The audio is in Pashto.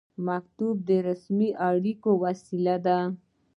مکتوب د رسمي اړیکې وسیله ده